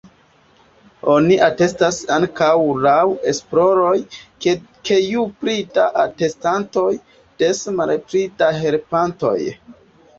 Oni atestas ankaŭ laŭ esploroj, ke ju pli da atestantoj, des malpli da helpantoj.